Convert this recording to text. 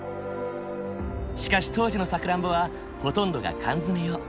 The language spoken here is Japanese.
しかし当時のさくらんぼはほとんどが缶詰用。